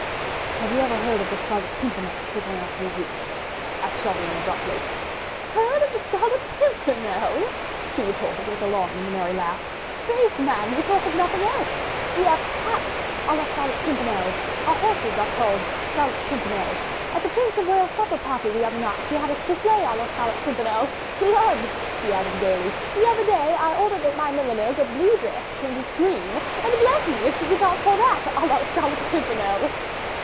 "Have you ever heard of the Scarlet Pimpernel, Citoyenne St. Just?" asked Chauvelin, abruptly. "Heard of the Scarlet Pimpernel?" she retorted with a long and merry laugh, "Faith, man! we talk of nothing else. ... We have hats 'à la Scarlet Pimpernel'; our horses are called 'Scarlet Pimpernel'; at the Prince of Wales' supper party the other night we had a 'oufflé à la Scarlet Pimpernel.' ... Lud!" she added gaily, "the other day I ordered at my milliner's a blue dress trimmed with green, and bless me, if she did not call that 'à la Scarlet Pimpernel.